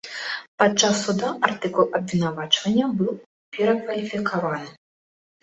Падчас суда артыкул абвінавачвання быў перакваліфікаваны.